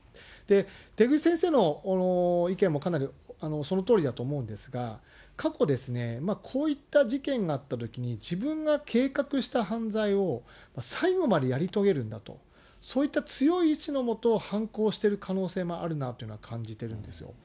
出口先生の意見もかなり、そのとおりだと思うんですが、過去、こういった事件があったときに、自分が計画した犯罪を最後までやり遂げるんだと、そういった強い意志のもと、犯行をしてる可能性はあるなと感じてるんですよ。